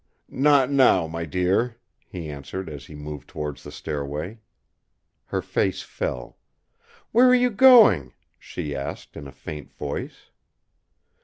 "Not now, my dear!" he answered as he moved towards the stairway. Her face fell. "Where are you going?" she asked in a faint voice.